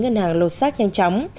ngân hàng lột xác nhanh chóng